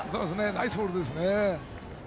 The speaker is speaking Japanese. ナイスボールですね。